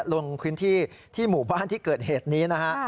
ลงพื้นที่ที่หมู่บ้านที่เกิดเหตุนี้นะฮะ